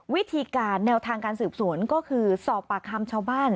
วิธีการแนวทางการสืบสวนก็คือสอบปากคำชาวบ้าน